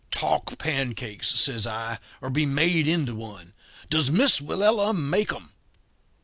"'Talk pancakes,' says I, 'or be made into one. Does Miss Willella make 'em?'